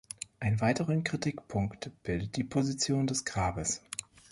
Einen weiteren Kritikpunkt bildet die Position des Grabes.